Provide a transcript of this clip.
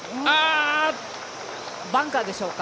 バンカーでしょうか？